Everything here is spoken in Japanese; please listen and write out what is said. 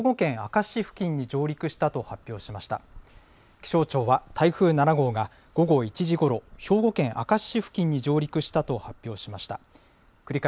気象庁は、台風７号が午後１時ごろ、兵庫県明石市付近に上陸したと発表しました。